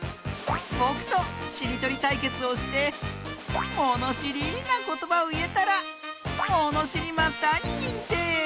ぼくとしりとりたいけつをしてものしりなことばをいえたらものしりマスターににんてい！